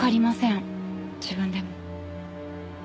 自分でも。